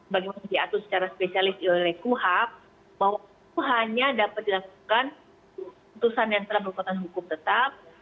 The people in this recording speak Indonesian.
bagi masyarakat secara spesialis itu hanya dapat dilakukan putusan yang telah berkutang hukum tetap